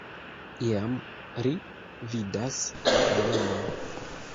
Iam, ri vidas balenon.